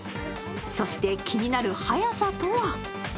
そして気になる早さとは？